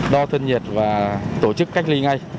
đo thân nhiệt và tổ chức cách ly ngay